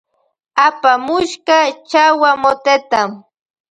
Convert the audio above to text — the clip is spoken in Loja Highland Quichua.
Apamushka chawa moteta.